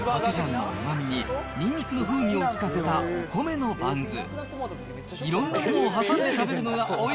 コチュジャンのうまみに、ニンニクの風味を効かせたお米のバンズ。